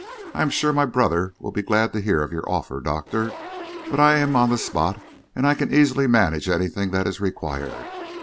"I am sure my brother will be glad to hear of your offer, Doctor, but I am on the spot and I can easily manage anything that is required.